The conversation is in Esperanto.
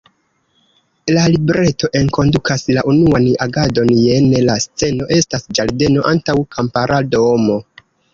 La libreto enkondukas la "unuan agadon" jene: „La sceno estas ĝardeno antaŭ kampara domo.